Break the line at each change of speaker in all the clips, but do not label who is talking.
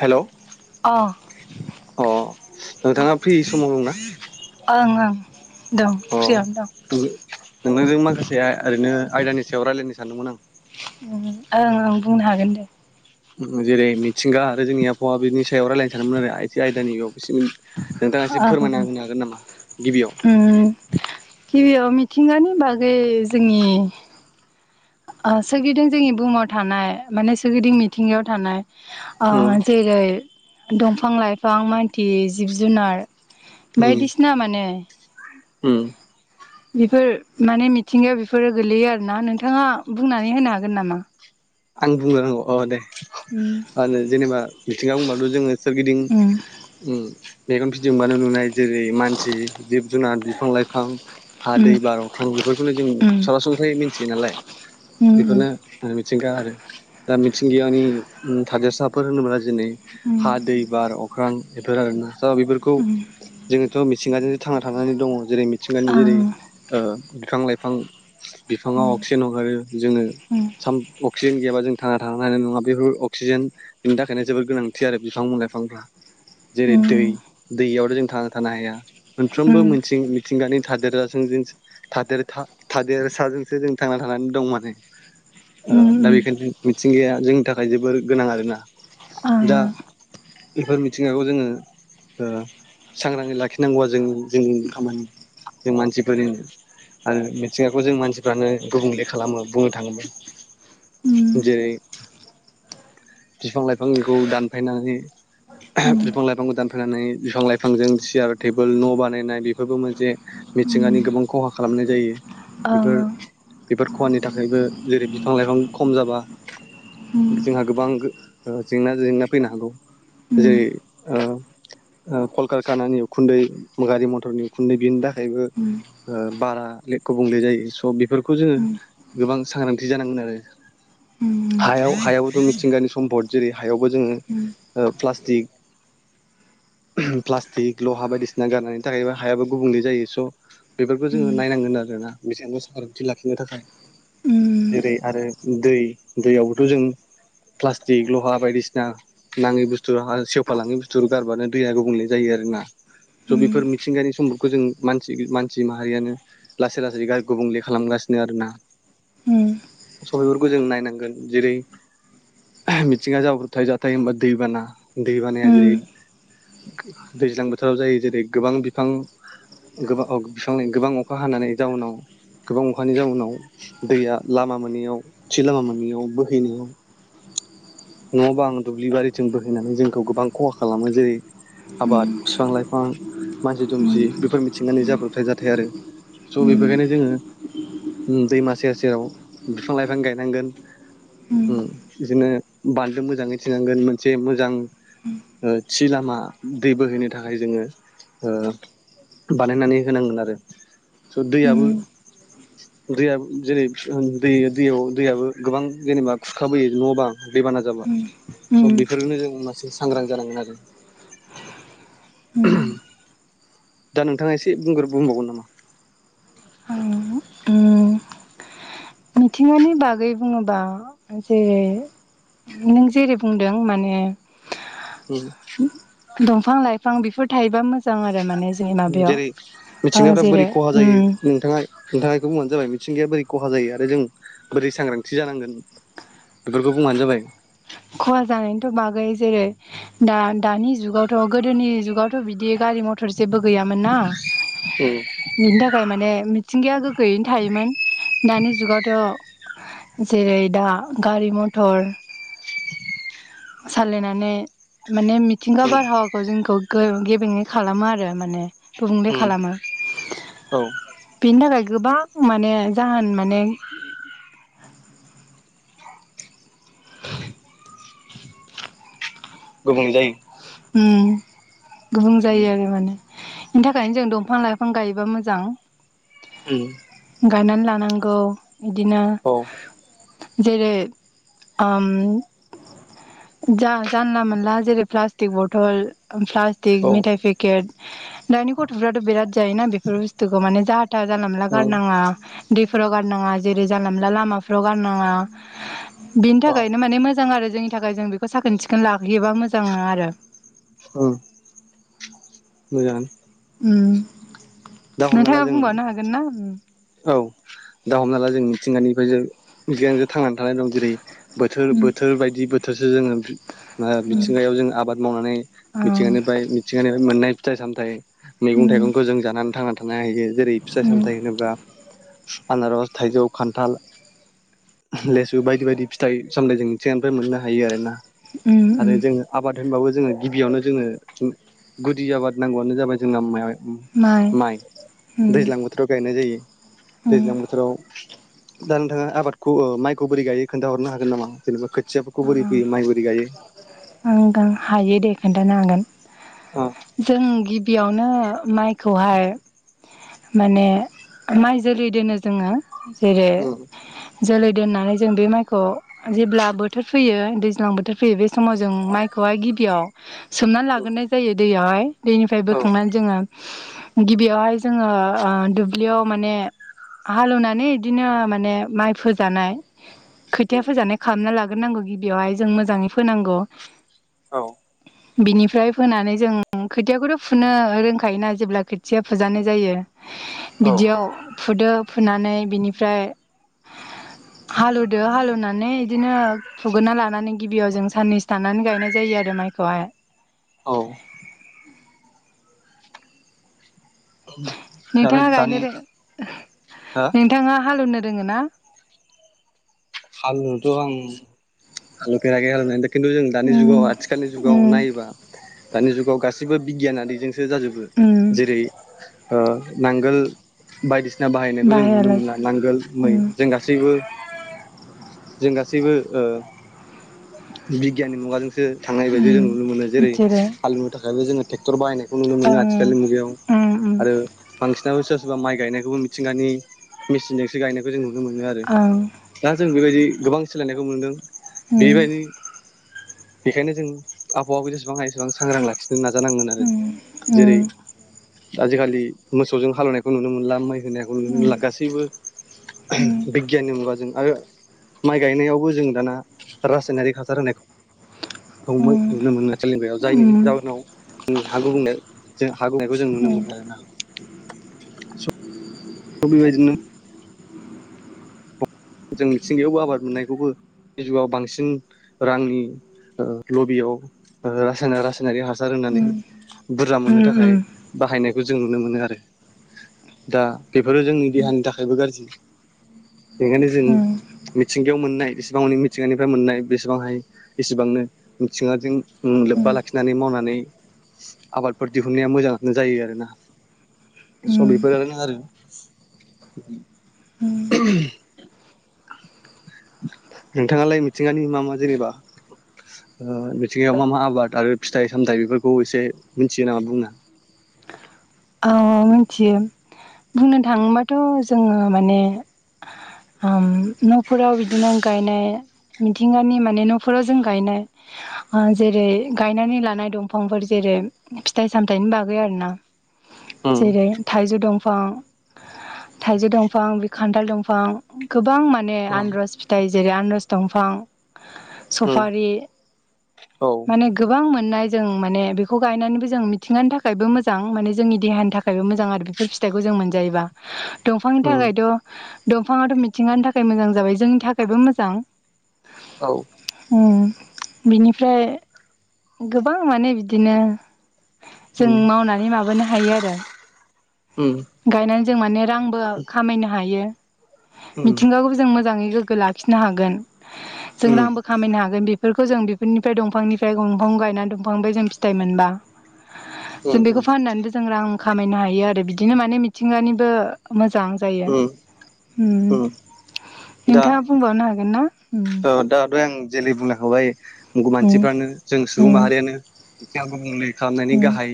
हेल' अ नोंथाङा फ्रि समाव दंना?
ओं ओं दं
अ
फ्रियावनो दं।
नोंथांजों माखासे ओरैनो आयदानि सायाव रायलायनो सानदोंमोन आं।
ओम ओं ओं बुंनो हागोन दे।
जेरै मिथिंगा आरो जोंनि आबहावा बिनि सायाव रायजलायनो सानोमोन आरो आइजो आयदानि बेयाव [unintelligible] नोंथाङा एसे
ओं
फोरमायना होनो हागोन नामा गिबियाव
ओं गिबियाव मिथिंगानि बागै जोंनि सोरगिदिं जोंनि बुहुमाव थानाय माने सोरगिदिं मिथिंगायाव थानाय
उम
जेरै दंफां लाइफां मानति जिब जुनार
उम
बायदिसिना माने
उम
बेफोर माने मिथिंगायाव बेफोरो गोलैयो आरोना नोंथाङा बुंनानै होनो हागोन नामा?
आं बुंलाय नांगौ अ दे। मा
उम
होनो जेनेबा मिथिंगा बुंबाथ' जोङो सोरगिदिं
उम
ओम मेगन फिदिंबानो नुनाय जेरै मानसि जिब जुनार बिफां-लाइफां हा
उम
दै बार अख्रां बेफोरखौनो जों
उम
सरासनस्रै मिथियो नालाय
उम
बेफोरनो। मिथिंगा आरो दा मिथिंगानि थादेरसाफोर होनोब्ला दिनै हा
ओम।
दै बार अख्रां बेफोर आरोना दा बेफोरखौ
उम
जोङोथ' मिथिंगाजोंसो थांना थानानै दङ जेरै मिथिंगानि जेरै
आं
बिफां लाइफां बिफाङा अक्सिजेन हगारो जोङो
उम
साम अक्सिजेन गैयाबा जों थांना थानो हानाय नङा बेफोर अक्सिजेन बिनि थाखायनो जोबोर गोनांथि आरो बिफां-लाइफांफ्रा जेरै दै
उम
दैयावथ' जों थांना थानो हाया। मोनफ्रोमबो मिथिं मिथिंगानि थादेराजों जों थादेरदा थादेरसाजोंसो जों थांना थानानै दंमोन दा बेखायनो मिथिंगाया जोंनि थाखाय जोबोर गोनां आरोना दा बेफोर मिथिंगाखौ जोङो। ओ सांग्राङै लाखिनांगौआ जोंनि जोंनि खामानि जों मानसिफोरनिनो आरो मिथिंगाखौ जों मानसिफ्रानो गुबुंले खालामो बुंनो थाङोब्ला। जेरैओ बिफां-लाइफांखौ दानफायनानै बिफां लाइफां दानफायनानै बिफां लाइफांजों सियार टेबोल न' बानायनाय बेफोरबो मोनसे मिथिंगानि गोबां खहा खालामनाय जायो बेफोर बेफोर खहानि थाखायबो जेरै बिफां लाइफां खम जाबा जोंहा गोबां ओ जेंना जेंना फैनो हागौ जेरै ओ ओ कलकारखानानि उखुन्दै गारि मटरनि उखुन्दै बेनि थाखायबो ओ बारा गुबुंले जायो स' बेफोरखौ जोङो गोबां सांग्रांथि जानांगोन आरो हायाव हायाबोथ' मिथिंगानि सम्पद जेरै हायावबो जोङो ओ प्लास्टिक प्लास्टिक लहा बायदिसिना गारनायनि थाखायबो हायाबो गुबुंले जायो स' बेफोरखौ जोङो नायनांगोन आरोना बेसेजों सांग्रांथि लाखिनो थाखाय जेरै आरो ओ दै दैयावबोथ' जों प्लास्टिक लहा बायदिसिना नाङि बुस्थुहा सेवफालाङि बुस्थु गारबानो दैया गुबुंले जायो आरो ना। स' बेफोर मिथिंगायानि सम्पदखौ जोंओ मानसि मानसि माहारियानो लासै लासै गुबुंले खालामगासिनो आरो ना।
उम।
स' बेफोरखौ जों नायनांगोन जेरैहाय मिथिंगा जाब्रथाय जाथाय होमबा दैबाना दैबानाया जेरै दैज्लां बोथोराव जायो जेरै गोबां बिफां गोाबां अ बिफां नों गोबां अखा हानानै जाउनाव गोबां अखानि जाउनाव दैया लामा मोनैयाव थि लामा मोनैयाव बोहैनायाव न' बां दुब्लिबारिजों बोहैनानै जोंखौ गोबां खहा खालामो जेरै आबाद फिफां-लाइफां मानसि दुमसि बेफोर मिथिंगानो जाब्रथाय जाथाय आरो स' बेफोरखायनो जोङोओ उम दैमा सेर सेराव फिफां लाइफां गायनांगोन उम बिदिनो बान्दो मोजाङै थिनांगोन मोनसे मोजां थि लामा दै बोहैनो थाखाय जोङो ओ बानायनानै होनांगोन आरो स दैयाबो दैया जेरै दै दैयाव दैयाबो गोबां जेनेबा खुरखाबोयो न' बां दैबाना जाबाय स' बेफोरनो जों मासे से सांग्रां जानांगोन आरो। दा नोंथाङा एसे बुंग्रो बुंबावगोन नामा
मिथिंगानि बागै बुङोबा जेरै नों जेरै बुंदों माने
ओं
दंफां लाइफां बेफोर थायोबा मोजां आरो माने जोंनि माबायाव
जेरै
आं
मिथिंगाफ्रा बोरै
जेरै
खहा जायो
उम
नोंथाङा नोंथाङा इखो बुंबानो जाबाय मिथिंगाया बोरै खहा जायो आरो जों बोरै सांग्रांथि जानांगोन बेफोरखौ बुंबानो जाबाय
खहा जानायनिथ' बागै जेरै दा दानि जुगावथ' गोदोनि जुगाव थ' बिदि गारि मटर जेबो गैयामोन ना
उम
बिनि थाखाय माने मिथिंगाया गोग्गोयैनो थायोमोन दानि जुगावथ' जेरै दा गारि मटर सालायनानै माने मिथिंगा
उम
बारहावा खौ जोंखौ गेबेङै खालामो आरो माने गुबुंले
उम
खालामो
औ
बेनि थाखाय गोबां माने जाहोन माने [inaudible]
गुबुं जायो
उम गुबुं
उम
जायो आरो माने बेनि थाखायनो जों दंफां लाइफां गायोबा मोजां
उम
गायनानै लानांगौ इदिनो
औ
जेरै आम जा जानला मोनला जेरै प्लास्टिक बथल प्लास्टिक
औ
मेथाइ फे केट दानि गथ'फ्राथ' बिराद जायोना बेफोर बुस्थुखौ माने जा था जानला मोनला
उम
गारनाङा दैफोराव गारनाङा जेरै जानला मोनला लामाफ्राव गारनाङा बिनि
औ
थाखायनो माने मोजां आरो जोंनि थाखाय जों बेखौ साखोन सिखोन लाबोयोबा मोजां आरो
अ मोजाङानो
उम
दा हमना ला
नोंथाङा
जों
बुंबावनो हागोन ना
औ दा हमना ला जों मिथिंगानिफ्राय जों जियानो जा थांनानै थानाय दं जेरै बोथोर
उम
बोथोर बायदि बोथोरसो जोङो ओ
उम
मिथिंगायाव जों आबाद मावनानै
औ
मिथिंगानिफ्राय मिथिंगानिफ्राय मोननाय फिथाइ सामथाइ मैगं
उम
थाइगंखौ जों जानानै थांनानै थानो हायो जेरै फिथाइ
उम
सामथाइ होनोब्ला आनारस थाइजौ खानथाल लेसु बायदि बायदि फिथाइ सामथाइ जों मिथिंगानिफ्राय मोननो हायो आरो ना
उम
आरो
उम
जोङो आबाद होनबाबो जोङो गिबियावनो जोङो गुदि आबाद नांगौआनो जाबाय जोंना माइ माइ
उम
दैज्लां बोथोराव गायनाय जायो दैज्लां बोथोराव दा नोंथाङा आबादखौ ओ माइखौ बोरै गाय खोनथाहरनो हागोन नामा जेनेबा खै थियाखौ बोरै फैयो माइ बोरै गायो
ओं गां हायो दे खोन्थानो हागोन
अ
जों गिबियावनो माइखौहाय माने माइ जोलै दोनो जोङो जेरै
उम
जोलै दोननानै जों बे माइखौ जेब्ला बो थोर फैयो दैज्लां बोथोर फैयो बे समाव जों माइखौहाय गिबियाव सोमनानै लाग्रोनाय जायो दैयावहाय दैनिफ्राय
औ
बोखांनानै जोङो गिबियावहाय जोङो ओ दुब्लियाव माने हाल एवनानै इदिनो माने माइ फोजानाय खोथिया फोजानाय खालामना लाग्रोनांगौ गिबियावहाय जों मोजाङै फोनांगौ
औ
बिनिफ्राय फोनानै जों खोथियाखौथ' फुनो रोंखायोना जेब्ला खोथिया फुजानाय जायो। बिदियाव फुदो फुनानै बिनिफ्राय हालौवदो हाल एवनानै इदिनो फुग्रोना लानानै गिबियाव जों साननैसो थानानै गायनाय जायो आरो माइखौहाय
औ [inaudible]
नोंथांङा गायनो
दानि
रो
हो
नोंथांङा हाल एवनो रोंङोना
हाल एवनोथ' आं हाल एवफेराखै खिनतु जों दानि जुगाव आथिखालनि जुगाव
उम
नायोबा दानि जुगाव गासै बो बिगियानारिजोंसो जाजोबो
उम
जेरै नांगोल बायदिसिना बाहायनायखौ जों नुनो मोना
बाहायालासे
नांगोल मै
उम
जों गा सैबो जों गासैबो ओ बिगियाननि मुगाजोंसो थांनाय बायदि जों नुनो मोनो जेरै हाल एवनो थाखायबो जोंङो ट्रेक्टर बाहायनाय नुनो मोनो
ओं
आथिखालनि मुगायाव
उम उम
आरो बांसिनाबो सोरबा सोरबा माइ गायनायखौबो मिथिंगानि मेचिंजोंसो गायनायखौ जों नुनो मोनो आरो
ओं
दा जों बेबायदि गोबां सोलायनायखौ मोनदों
उम
बेबायदि बेखायनो जों आबहावाबो जेसेबां हायो एसेबां सांग्रां लाखिनो नाजानांगोन आरो जेरै आजिखालि मोसौजों हालेवनायखौ नुनो मोनला होनायखौ नु गासैबो बिगियाननि मुगाजों आरो माइ गायनायावबो जों दाना रासायनारिक हासार होनायखौ नुनो मोना सेलोंग्रायाव जायनि
उम
जाहोनाव हा गुबुंनाय जों हा गुबुंनायखौ जों नुनो मोनो आरो ना स [unintelligible] औ बेबायदिनो जों मिथिंगायावबो आबाद मोननायखौबो जुगाव बांसिन रांनि लबियाव रासाय रासायनारि हासार
उम
होननानै
उम
बुरजा मोननो थाखाय
उम
बाहायनायखौ जों नुनो मोनो आरो दा बेफोरो जोंनि देहानि थाखायबो गाज्रि बेखायनो जों
उम
मिथिंगायाव मोननाय बेसेबां मिथिंगानिफ्राय मोननाय बेसेबां हायो। इसेबांनो मिथिङाजों लोब्बा लाखिनानै मावनानै आबादफोर दिहुननाया मोजाङानो जायो आरोना स
उम
बेफोरनो आरो नोंथांङालाय मिथिंगानि मा मा जेनेबा मिथिंगायाव मा मा आबाद आरो फिथाइ सामथायाइ बेफोरखौ एसे मिथियो नामा बुंनो [unintelligible]
औ मिथियो बुंनो थाङोबाथ' जोंङो माने न'फोराव बिदिनो गायनाय मिथिंगानि माने न'फोराव जों गायनाय जेरै गायनानै लानाय दंफांफोर जेरै फिथाइ सामथायाइनि बागै आरो ना
उम
जेरै थाइजौ दंफां
[inaudible]
थाइजौ दंफां बि खान्थाल दंफां गोबां माने
उम
आनरस फिथाइ जेरै आनरस दंफां
[inaudible]
सुफारि
औ
माने गोबां मोननाय जों माने बेखौ गायनानैबो जों मिथिंगानि थाखायबो मोजां माने जोंनि देहानि थाखाय थाखायबो मोजां आरो बेफोर फिथाइखौ जों मोनजायोबा दंफांनि
उम
थाखायथ' दंफाङाथ' मिथिंगानि थाखाय मोजां जाबाय जोंनि थाखायबो मोजां
औ
बिनिफ्राय गोबां माने बिदिनो जों
उम
मावनानै माबानो हायो आरो
उम
गायनानै जों माने रांबो खामायनो हायो
उम
मिथिंगाखौबो जों मोजाङै गोग्गो लाखिनो हागोन जों
उम
रांबो खामायनो हागोन बेफोरखौ जों बेफोरनिफ्राय दंफांनिफ्राय दफां गायनानै दंफांनिबाय जों फिथाइ मोनबा
[unintelligible]
जों बेखौ फाननानैबो जों रां खामायनो हायो आरो बिदिनो माने मिथिंगानिबो मोजां जायो
उम उम दा
नोंथाङा बुंबावनो हागोन ना
ओ आं जेरै बुंलांखाबाय
उम
मानसिफ्रानो जों सुबुं
उम
माहारियानो जाहा गुबुंले खालामनायनि
उम
गाहाय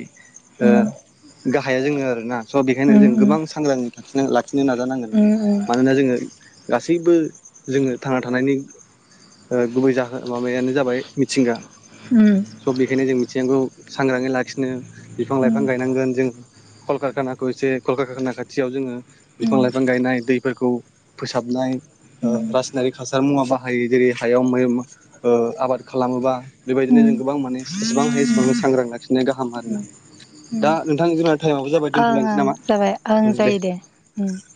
उम उम
गाहाया जोङो आरोना स' बेखायनो
उम
जों गोबां सांग्राङैखि लाखिनो नाजानांगोन
उम
मानोना जोङो गासैबो जोङो थांना थानायनि गुबै जाहो माबायानो जाबाय मिथिंगा
हम
स' बेखायनो जों मिथिनांगौ सांग्राङै लाखिनो बिफां
उम
लाइफां गायनांगोन जों कलकारखानाखौ एसे कलकारखाना खाथियाव जोङो
उम
बिफां लाइफां गायनाय दैफोरखौ हाबनाय रासायनारिक हासार मुवा बा हायो जेरै हायाव [unintelligible] आबाद खालामोबा बेबायदिनो
ओं
जों गोबां माने एसेबां हायो एसेबां सांग्रां लाखिनाया गाहाम आरो ना दा नोंथां जेना टाइमावबो जाबाय दोन्थ'लायसै
ओं
नामा
जाबाय ओं
दे
जायो [unintelligible]